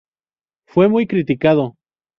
Fue muy criticado.